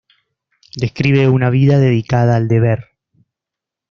Describe una vida dedicada al deber.